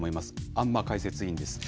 安間解説委員です。